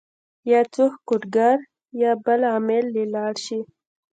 يا څوک کوډ ګر يا بل عامل له لاړ شي